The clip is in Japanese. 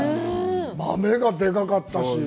豆がでかかったし。